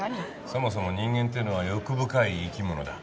そもそも人間っていうのは欲深い生き物だ。